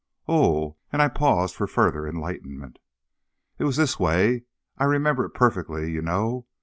"Oh," and I paused for further enlightenment. "It was this way. I remember it perfectly, you know.